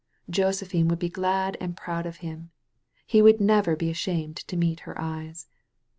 Josephine would be glad and proud of him. He would never be ashamed to meet her eyes.